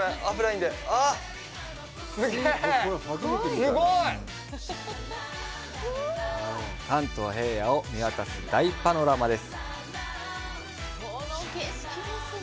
すごい！関東平野を見渡す大パノラマです。